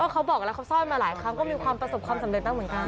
เขาบอกแล้วเขาซ่อนมาหลายครั้งก็มีความประสบความสำเร็จบ้างเหมือนกัน